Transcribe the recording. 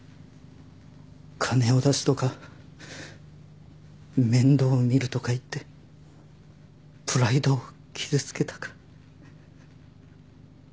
金を出すとか面倒見るとか言ってプライドを傷つけたか。